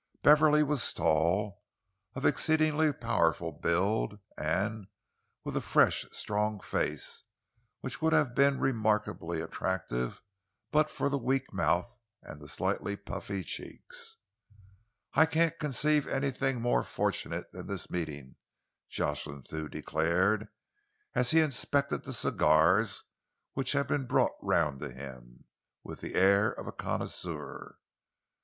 Beverley was tall, of exceedingly powerful build, and with a fresh, strong face which would have been remarkably attractive but for the weak mouth and the slightly puffy cheeks. "I can't conceive anything more fortunate than this meeting," Jocelyn Thew declared, as he inspected the cigars which had been brought round to him, with the air of a connoisseur.